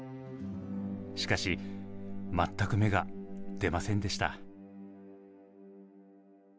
しかし全く芽が出ませんでした。